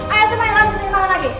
ayah si main rambutin pangan lagi